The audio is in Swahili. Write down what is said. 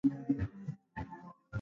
Mwanafunzi anafaa kusoma Kwa bidii.